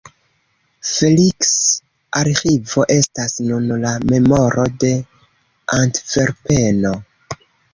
Feliks-Arĥivo estas nun la memoro de Antverpeno.